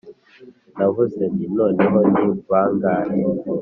navuze nti: “noneho ni bangahe?”